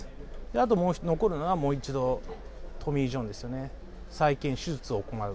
あと残るのは、もう一度トミー・ジョンですよね、再建手術を行う。